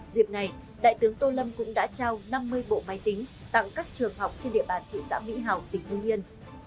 dịp này đại tướng tô lâm cũng đã trao năm mươi bộ máy tính tặng các trường học trên địa bàn thị xã mỹ hào tỉnh hương yên